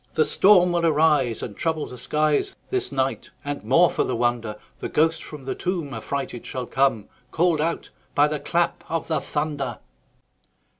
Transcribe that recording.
The storm will arise, And trouble the skies This night; and, more for the wonder, The ghost from the tomb Affrighted shall come, Call'd out by the clap of the thunder.